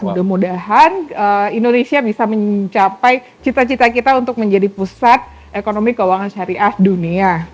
mudah mudahan indonesia bisa mencapai cita cita kita untuk menjadi pusat ekonomi keuangan syariah dunia